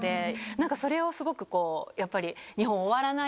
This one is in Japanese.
何かそれをすごくこうやっぱり。